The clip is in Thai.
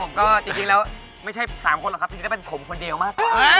ครับผมก็จริงแล้วไม่ใช่๓คนหรอกครับนี่ก็เป็นผมคนเดียวมาก